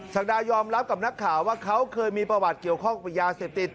ศักดายอมรับกับนักข่าวว่าเขาเคยมีประวัติเกี่ยวข้องกับยาเสพติด